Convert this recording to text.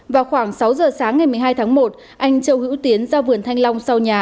vào khoảng sáu giờ sáng ngày một mươi hai tháng một anh châu hữu tiến ra vườn thanh long sau nhà